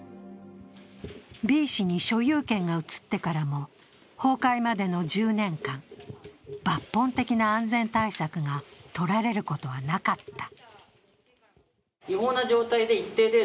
Ｂ氏に所有権が移ってからも崩壊までの１０年間、抜本的な安全対策がとられることはなかった。